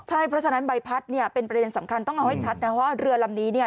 ใช่เพราะฉะนั้นใบพัดเนี่ยเป็นประเด็นสำคัญต้องเอาให้ชัดนะว่าเรือลำนี้เนี่ย